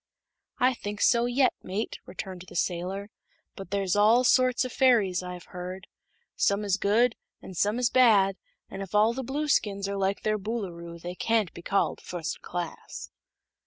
"I think so yet, mate," returned the sailor. "But there's all sorts o' fairies, I've heard. Some is good, an' some is bad, an' if all the Blueskins are like their Boolooroo they can't be called fust class."